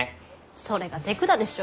それが手管でしょ？